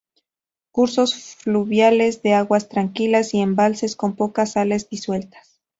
Cursos fluviales de aguas tranquilas y embalses; con pocas sales disueltas.